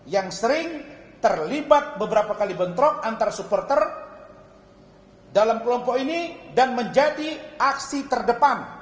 yang sering terlibat beberapa kali bentrok antar supporter dalam kelompok ini dan menjadi aksi terdepan